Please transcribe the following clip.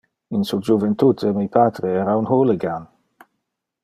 In su juventute mi patre era un hooligan.